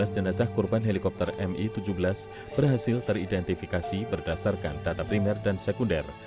dua belas jenazah korban helikopter mi tujuh belas berhasil teridentifikasi berdasarkan data primer dan sekunder